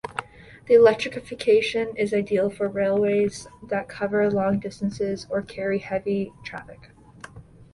This electrification is ideal for railways that cover long distances or carry heavy traffic.